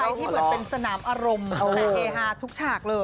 ที่เหมือนเป็นสนามอารมณ์แต่เฮฮาทุกฉากเลย